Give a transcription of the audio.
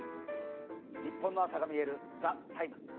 ニッポンの朝がみえる「ＴＨＥＴＩＭＥ，」